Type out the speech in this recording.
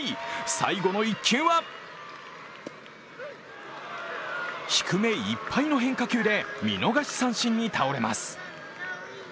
最後の１球は低めいっぱいの変化球で見逃し三振に倒れます。